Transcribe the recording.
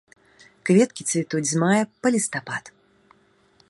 Кветкі цвітуць з мая па лістапад.